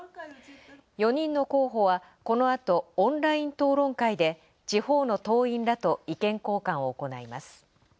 ４人の候補は、この後オンライン討論会で地方の党員らと意見交換を行います。